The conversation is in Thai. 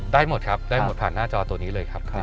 ได้หมดครับได้หมดผ่านหน้าจอตัวนี้เลยครับ